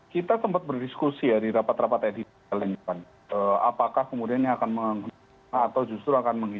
kita tempat berdiskusi ya di rapat rapat edisi